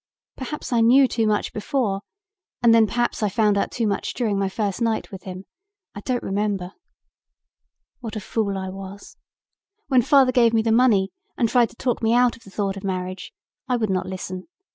Perhaps I knew too much before and then perhaps I found out too much during my first night with him. I don't remember. "What a fool I was. When father gave me the money and tried to talk me out of the thought of marriage, I would not listen.